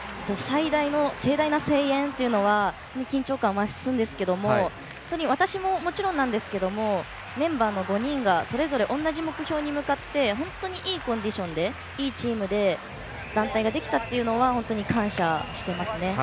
盛大な声援は緊張感が増すんですけど私ももちろんなんですけどもメンバーの５人がそれぞれ同じ目標に向かっていいコンディションでいいチームで団体ができたというのは本当に感謝していますね。